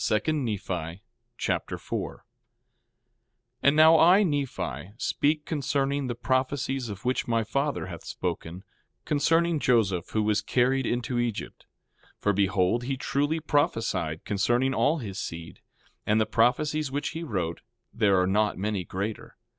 Amen. 2 Nephi Chapter 4 4:1 And now, I, Nephi, speak concerning the prophecies of which my father hath spoken, concerning Joseph, who was carried into Egypt. 4:2 For behold, he truly prophesied concerning all his seed. And the prophecies which he wrote, there are not many greater.